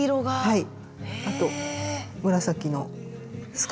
はい。